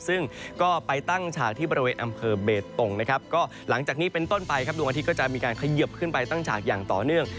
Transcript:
ซึ่งก็ไปตั้งฉากที่บริเวณอำเภอเบตตงนะครับก็หลังจากนี้เป็นต้นไปครับดวงอาทิตยก็จะมีการเขยิบขึ้นไปตั้งฉากอย่างต่อเนื่อง